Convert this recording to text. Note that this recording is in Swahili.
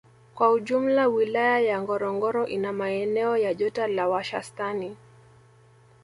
Kwa ujumla Wilaya ya Ngorongoro ina maeneo ya joto la washastani